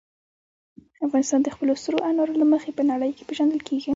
افغانستان د خپلو سرو انارو له مخې په نړۍ کې پېژندل کېږي.